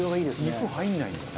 「肉入らないんだね」